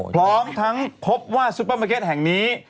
พร้อมทั้งพบว่าซุปเปอร์มาร์เก็ตแห่งนี้